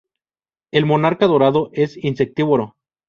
El monarca dorado es insectívoro.